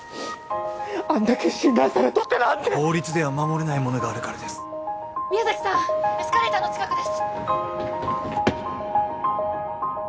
あんだけ信頼されとって何で法律では守れないものがあるからです宮崎さんエスカレーターの近くです